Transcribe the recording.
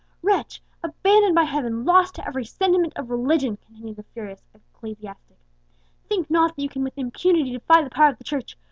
"Wretch! abandoned by Heaven, lost to every sentiment of religion!" continued the furious ecclesiastic, "think not that you can with impunity defy the power of the Church!